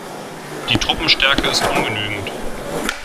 Die Truppenstärke ist ungenügend.